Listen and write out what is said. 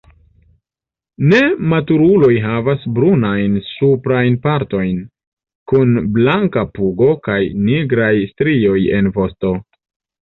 Nematuruloj havas brunajn suprajn partojn, kun blanka pugo kaj nigraj strioj en vosto.